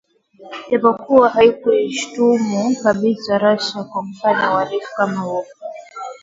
japokuwa hakuishutumu kabisa Russia kwa kufanya uhalifu kama huo